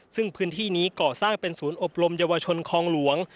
ซึ่งพื้นที่นี้ก่อสร้างเป็นศูนย์อบรมเยาวชนคลองหลวง